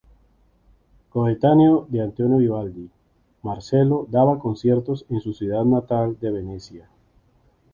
Coetáneo de Antonio Vivaldi, Marcello daba conciertos en su ciudad natal de Venecia.